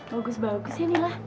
bagus bagus ya nila